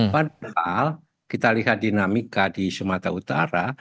padahal kita lihat dinamika di sumatera utara